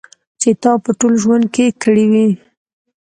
چې تا په ټول ژوند کې کړی و.